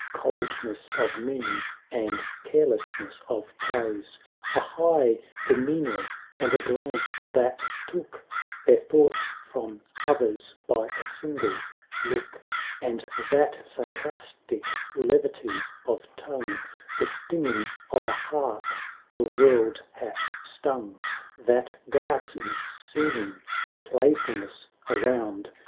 Coldness of mien, and carelessness of praise; 70 A high demeanour, and a glance that took Their thoughts from others by a single look; And that sarcastic levity of tongue, The stinging of a heart the world hath stung, That darts in seeming playfulness around.